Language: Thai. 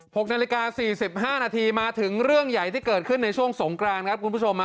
หกนาฬิกาสี่สิบห้านาทีมาถึงเรื่องใหญ่ที่เกิดขึ้นในช่วงสงกรานครับคุณผู้ชม